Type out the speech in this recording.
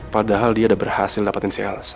padahal dia udah berhasil dapetin si elsa